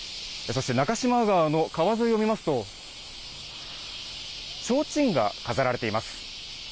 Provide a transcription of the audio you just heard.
そして中島川の川沿いを見ますと、ちょうちんが飾られています。